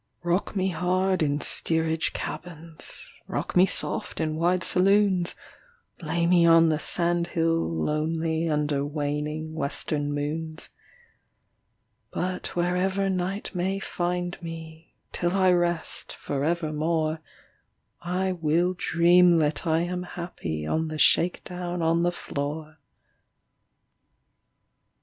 Rock me hard in steerage cabins, Rock me soft in wide saloons, Lay me on the sand hill lonely Under waning western moons; But wherever night may find me Till I rest for evermore I will dream that I am happy On the shake down on the floor.